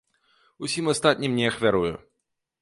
Усім астатнім не ахвярую.